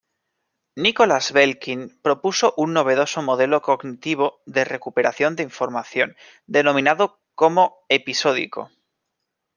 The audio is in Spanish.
Nicholas Belkin propuso un novedoso modelo cognitivo de recuperación de información, denominado como episódico.